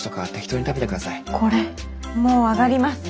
これもう上がります。